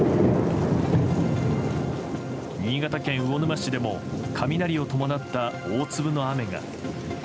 新潟県魚沼市でも雷を伴った大粒の雨が。